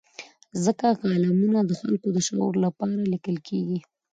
ځکه کالمونه د خلکو د شعور لپاره لیکل کېږي.